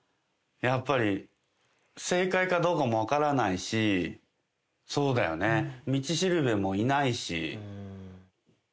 やっぱり、正解かどうかも分からないし、そうだよね、道しるべもいないし。